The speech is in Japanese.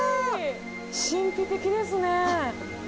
神秘的ですね。